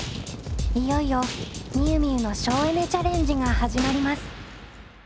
いよいよみゆみゆの省エネ・チャレンジが始まります。